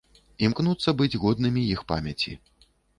Імкнуцца быць годнымі іх памяці.